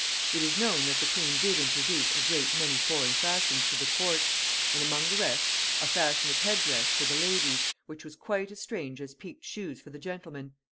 It is known that the queen did introduce a great many foreign fashions to the court, and, among the rest, a fashion of head dress for ladies, which was quite as strange as peaked shoes for the gentlemen.